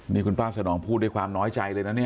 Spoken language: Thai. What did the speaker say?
นี่คุณป้าสนองพูดด้วยความน้อยใจเลยนะเนี่ย